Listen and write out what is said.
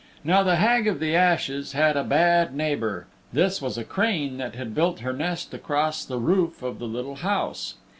Now the Hag of the Ashes had a bad neighbor. This was a crane that had built her nest across the roof of the little house.